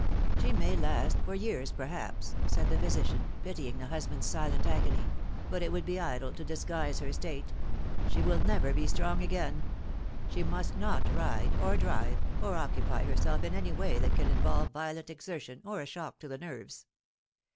" She may last for years, perhaps," said the physician, pitying 344 The Fatal Three. the husband's silent agony, " but it would be idle to disguise her state. She will never be strong again. She must not ride, or drive, or occupy herself in any way that can involve violent exertion, or a shock to the nerves.